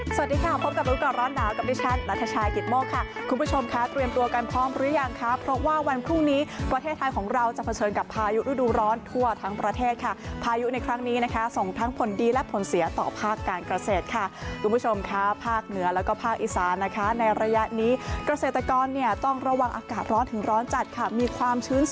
สวัสดีค่ะพบกับอุปกรณ์ร้อนหนาวกับดิฉันนัทชายกิตโมคค่ะคุณผู้ชมค่ะเตรียมตัวกันพร้อมหรือยังค่ะเพราะว่าวันพรุ่งนี้ประเทศไทยของเราจะเผชิญกับพายุฤดูร้อนทั่วทั้งประเทศค่ะพายุในครั้งนี้นะคะส่งทั้งผลดีและผลเสียต่อภาคการเกษตรค่ะคุณผู้ชมค่ะภาคเหนือแล้วก็ภาคอิสานนะคะ